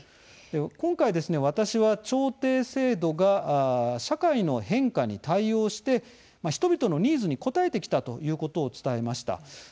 今回、私は調停制度が社会の変化に対応して人々のニーズに応えてきたということを伝えました。